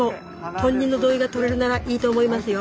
本人の同意が取れるならいいと思いますよ。